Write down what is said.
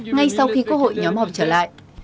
ngay sau khi quốc hội nhóm học trở lại